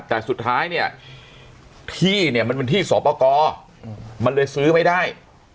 แต่สุดท้ายเนี่ยที่เนี่ยมันเป็นที่สอบประกอบมันเลยซื้อไม่ได้